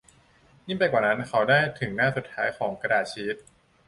ยิ่งไปกว่านั้น เขาได้าถึงหน้าสุดท้ายของกระดาษชีท